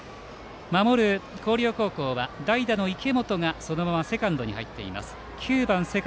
守る広陵高校は代打の池本がそのままセカンドに入っています。